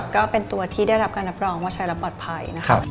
ก็เป็นตัวที่ได้รับการรับรองว่าใช้แล้วปลอดภัยนะคะ